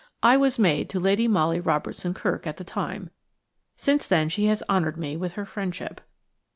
I was maid to Lady Molly Robertson Kirk at the time. Since then she has honoured me with her friendship.